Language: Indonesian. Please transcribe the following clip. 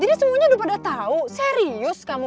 jadi semuanya udah pada tau serius kamu